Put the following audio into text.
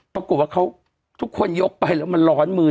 ปรากฏว่าเขาทุกคนยกไปแล้วมันร้อนมือ